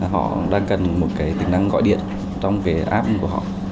họ đang cần một cái tính năng gọi điện trong cái app của họ